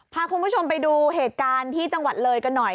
พาคุณผู้ชมไปดูเหตุการณ์ที่จังหวัดเลยกันหน่อย